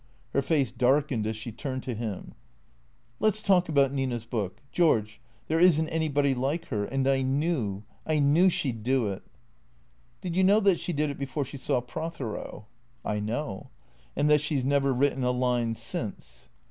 Her face darkened as she turned to him. "Let's talk about Nina's book. George — there isn't any body like her. And I knew, I knew she 'd do it." " Did you know that she did it before she saw Prothero." " I know." " And that she 's never written a line since